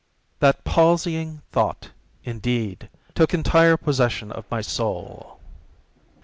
That palsying thought, indeed, took entire possession of my soul.